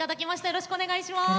よろしくお願いします。